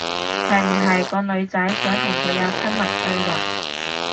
係唔係個女仔想同佢有親密對話？